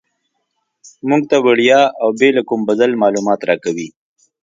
موږ ته وړیا او بې له کوم بدل معلومات راکوي.